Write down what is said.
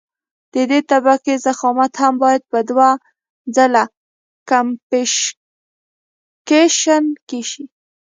د دې طبقې ضخامت هم باید په دوه ځله کمپکشن شي